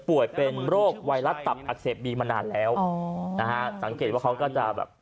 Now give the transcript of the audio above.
ป่วยเป็นโรคไวรัสตับอักเสบบีมานานแล้วอ๋อนะฮะสังเกตว่าเขาก็จะแบบ